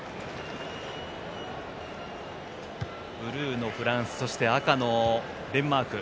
ブルーのフランス赤のデンマーク。